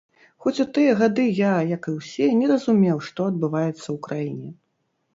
Хоць у тыя гады я, як і ўсе, не разумеў, што адбываецца ў краіне.